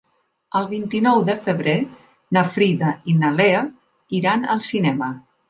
El vint-i-nou de febrer na Frida i na Lea iran al cinema.